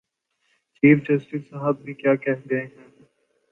Chief justice صاحب بھی کیا کہہ گئے ہیں؟